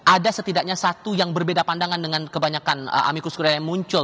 ada setidaknya satu yang berbeda pandangan dengan kebanyakan amikus kuraya muncul